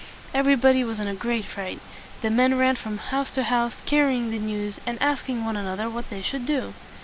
Every body was in great fright. The men ran from house to house, carrying the news, and asking one another what they should do.